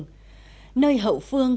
nơi hậu phương hà nội trở thành một trung tâm